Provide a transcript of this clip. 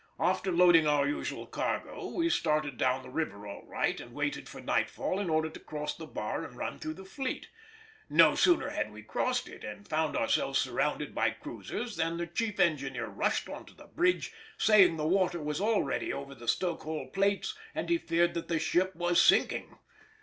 After loading our usual cargo we started down the river all right, and waited for nightfall in order to cross the bar and run through the fleet. No sooner had we crossed it and found ourselves surrounded by cruisers than the chief engineer rushed on to the bridge, saying the water was already over the stoke hole plates, and he feared that the ship was sinking.